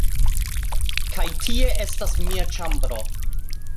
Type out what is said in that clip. Kaj tie estas mia ĉambro